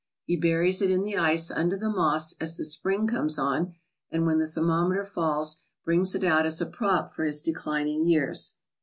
He buries it in the ice under the moss as the spring comes on, and when the thermometer falls brings it out as a prop for his declining years.